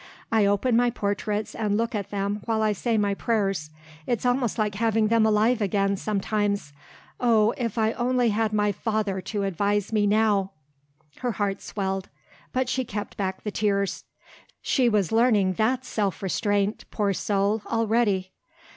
I open my portraits and look at them, while I say my prayers. It's almost like having them alive again, sometimes. Oh, if I only had my father to advise me now !" Her heart swelled but she kept back the tears: she was learning that self restraint, poor soul, already!